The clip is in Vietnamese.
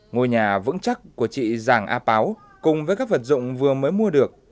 ngôi nhà vững chắc của chị giàng a páo cùng với các vật dụng vừa mới mua được